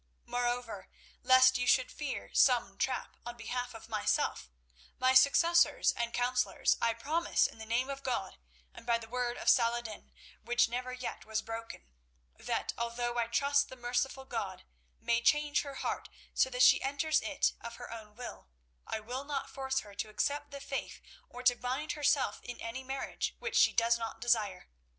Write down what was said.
Moreover, lest you should fear some trap, on behalf of myself, my successors and councillors, I promise in the Name of God, and by the word of Salah ed din, which never yet was broken, that although I trust the merciful God may change her heart so that she enters it of her own will, I will not force her to accept the Faith or to bind herself in any marriage which she does not desire.